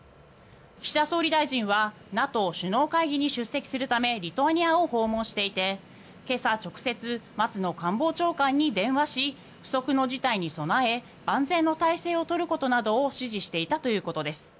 岸田総理大臣はＮＡＴＯ首脳会議に出席するためリトアニアを訪問していて今朝、直接松野官房長官に電話し不測の事態に備え万全の態勢を取ることなどを指示していたということです。